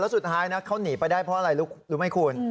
สุดท้ายนะเขาหนีไปได้เพราะอะไรรู้ไหมคุณ